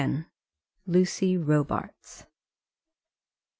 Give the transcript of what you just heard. LUCY ROBARTS.